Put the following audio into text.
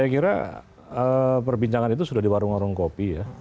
saya kira perbincangan itu sudah di warung warung kopi ya